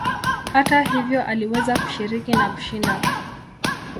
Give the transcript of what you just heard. Hata hivyo aliweza kushiriki na kushinda.